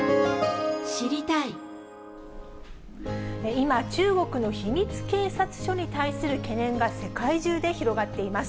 今、中国の秘密警察署に対する懸念が世界中で広がっています。